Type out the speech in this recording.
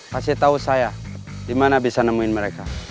kasih tau saya dimana bisa nemuin mereka